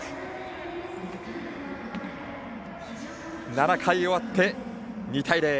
７回が終わって２対０。